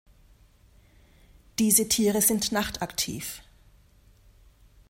Diese Tiere sind nachtaktiv.